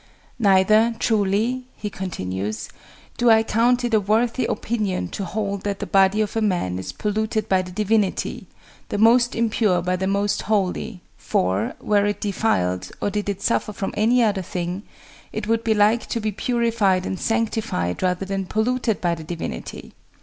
"Neither, truly," he continues, "do I count it a worthy opinion to hold that the body of a man is polluted by the divinity, the most impure by the most holy; for, were it defiled, or did it suffer from any other thing, it would be like to be purified and sanctified rather than polluted by the divinity."